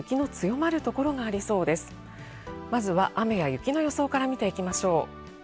まずは雨や雪の予想から見ていきましょう。